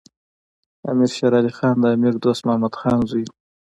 امیر شیر علی خان د امیر دوست محمد خان زوی دی.